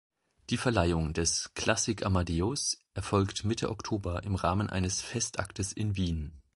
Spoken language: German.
Die Verleihung des "Klassik Amadeus" erfolgt Mitte Oktober im Rahmen eines Festaktes in Wien.